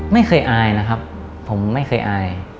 ไม่เคยอายนะครับผมไม่เคยอาย